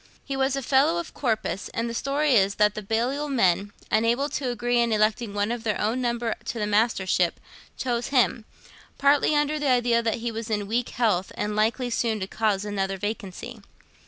He was a fellow of Corpus, and the story is that the Balliol men, unable to agree in electing one of their own number to the Mastership, chose him, partly under the idea that he was in weak health and likely soon to cause another vacancy.